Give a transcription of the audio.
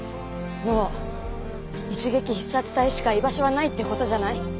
もう一撃必殺隊しか居場所はないってことじゃない？